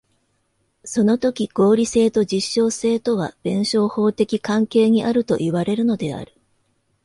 そのとき合理性と実証性とは弁証法的関係にあるといわれるのである。